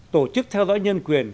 tổ chức theo dõi nhân quyền